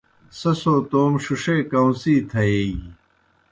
سہ سو توموْ ݜِݜے کاؤݩڅی تھیَیگیْ۔